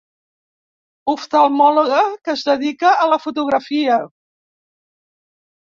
Oftalmòloga que es dedica a la fotografia.